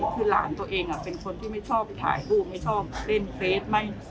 คือหลานตัวเองเป็นคนที่ไม่ชอบถ่ายรูปไม่ชอบเล่นเฟส